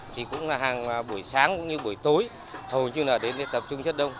thì cũng là hàng buổi sáng cũng như buổi tối hầu như là đến tập trung rất đông